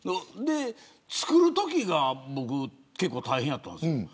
作るときが大変だったんです。